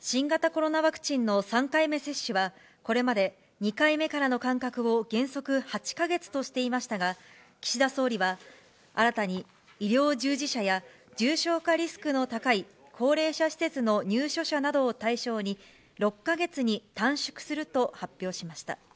新型コロナワクチンの３回目接種は、これまで２回目からの間隔を原則８か月としていましたが、岸田総理は新たに医療従事者や重症化リスクの高い高齢者施設の入所者などを対象に、６か月に短縮すると発表しました。